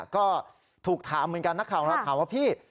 ก็ถูกถามเหมือนกันนักข่าวเราถามว่าพี่